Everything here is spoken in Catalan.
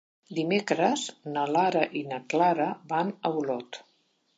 Dimecres na Lara i na Clara van a Olot.